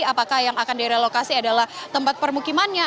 apakah yang akan direlokasi adalah tempat permukimannya